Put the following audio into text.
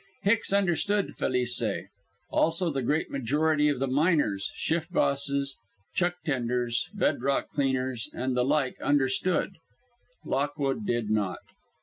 Hicks understood Felice. Also the great majority of the miners shift bosses, chuck tenders, bed rock cleaners, and the like understood. Lockwood did not.